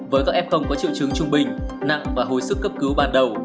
với các f có triệu chứng trung bình nặng và hồi sức cấp cứu ban đầu